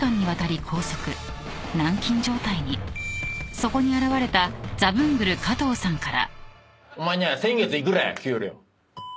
［そこに現れたザブングル加藤さんから］